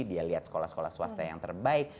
dia lihat sekolah sekolah swasta yang terbaik